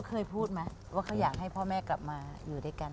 เคยพูดไหมว่าเขาอยากให้พ่อแม่กลับมาอยู่ด้วยกัน